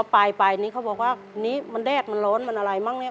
ไปนี่เขาบอกว่านี้มันแดดมันร้อนมันอะไรมั้งเนี่ย